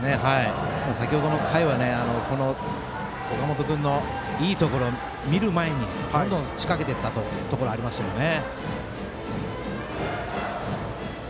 先ほどの回は岡本君のいいところを見る前にどんどん仕掛けていったところがありましたよね。